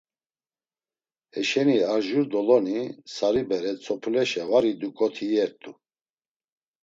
Heşeni arjur doloni sari bere tzopuleşa var idu ǩoti iyert̆u.